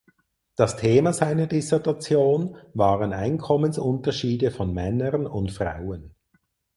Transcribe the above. Das Thema seiner Dissertation waren Einkommensunterschiede von Männern und Frauen.